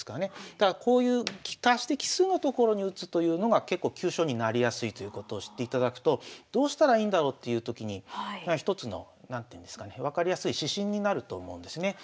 だからこういう足して奇数の所に打つというのが結構急所になりやすいということを知っていただくとどうしたらいいんだろうっていうときに一つの何ていうんですかね分かりやすい指針になると思うんですね。